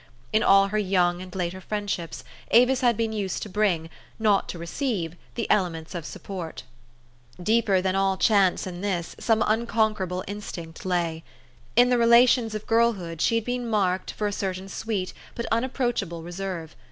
In all her young and later friendships Avis had been used to bring, not to receive, the elements of support. Deeper than all chance in this, some unconquerable instinct lay. In the relations of girlhood she had been marked for 156 THE STORY OF AVIS. a certain sweet but unapproachable reserve.